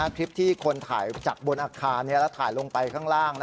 คลิปที่คนถ่ายจากบนอาคารแล้วถ่ายลงไปข้างล่าง